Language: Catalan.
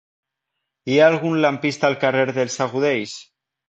Hi ha algun lampista al carrer dels Agudells?